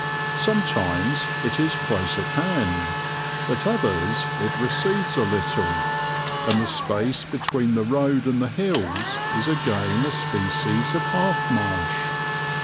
Sometimes it is close at hand, at others it recedes a little, and the space between the road and the hills is again a species of half marsh.